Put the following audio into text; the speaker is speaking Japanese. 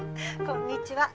こんにちは。